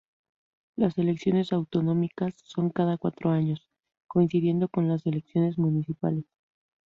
Las elecciones autonómicas son cada cuatro años, coincidiendo con las elecciones municipales.